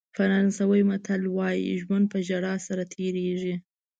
فرانسوي متل وایي ژوند په ژړا سره تېرېږي.